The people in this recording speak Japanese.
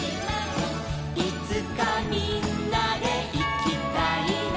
「いつかみんなでいきたいな」